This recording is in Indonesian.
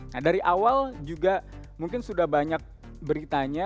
nah dari awal juga mungkin sudah banyak beritanya